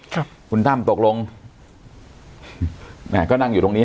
ครับคุณตั้มตกลงแม่ก็นั่งอยู่ตรงนี้